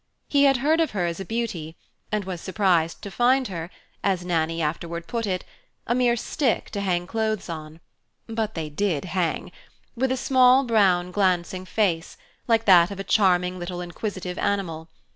He had heard of her as a beauty, and was surprised to find her, as Nannie afterward put it, a mere stick to hang clothes on (but they did hang!), with a small brown glancing face, like that of a charming little inquisitive animal.